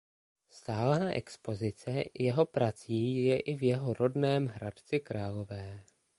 Stálá expozice jeho prací je i v jeho rodném Hradci Králové.